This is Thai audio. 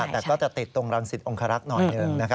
แต่ก็จะติดตรงรังสิตองคารักษ์หน่อยหนึ่ง